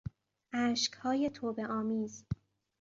اشکهای توبهآمیز